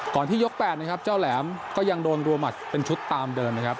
ที่ยก๘นะครับเจ้าแหลมก็ยังโดนรัวหมัดเป็นชุดตามเดิมนะครับ